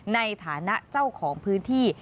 ในฐานะเจ้าของพื้นที่